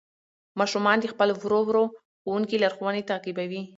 ماشومان د خپل ورو ورو ښوونکي لارښوونې تعقیبوي